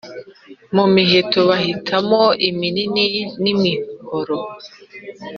mu miheto bahitamo imihini n’imihoro